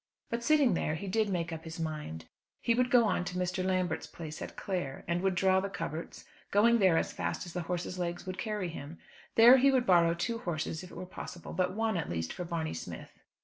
But, sitting there, he did make up his mind. He would go on to Mr. Lambert's place at Clare, and would draw the coverts, going there as fast as the horse's legs would carry him. There he would borrow two horses if it were possible, but one, at least, for Barney Smith.